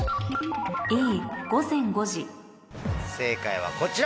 正解はこちら。